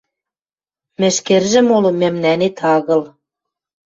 Мӹшкӹржӹ моло мӓмнӓнет агыл...